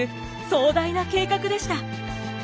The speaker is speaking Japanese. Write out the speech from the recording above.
壮大な計画でした。